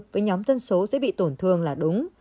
với nhóm dân số sẽ bị tổn thương là đúng